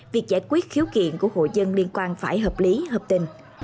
việc giải quyết khiếu kiện của hội dân liên quan phải hợp lý hợp tình